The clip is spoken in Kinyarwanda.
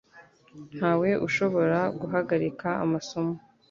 ntawe ushobora guhagarika amasomo